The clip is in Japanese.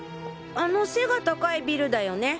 あの背が高いビルだよね？